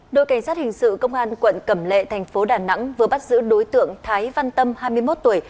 đội cảnh sát hình sự công an quận cẩm lệ thành phố đà nẵng vừa bắt giữ đối tượng thái văn tâm hai mươi một tuổi